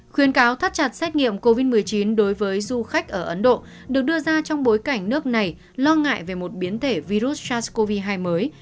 khuyên cáo thắt chặt xét nghiệm covid một mươi chín đối với du khách ở ấn độ được đưa ra trong bối cảnh nước này lo ngại về một biến thể virus sars cov hai mới